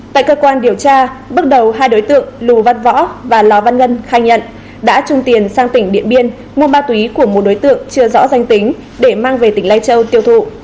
tại cơ quan điều tra bước đầu hai đối tượng lù văn võ và lò văn lân khai nhận đã chung tiền sang tỉnh điện biên mua ma túy của một đối tượng chưa rõ danh tính để mang về tỉnh lai châu tiêu thụ